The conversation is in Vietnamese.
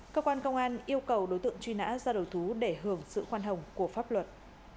cơ quan công an yêu cầu đối tượng truy nã ra đầu thú để hưởng sự khoan hồng của pháp luật